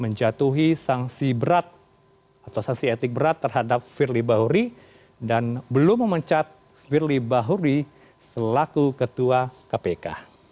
menjatuhi sanksi berat atau sanksi etik berat terhadap firly bahuri dan belum memecat firly bahuri selaku ketua kpk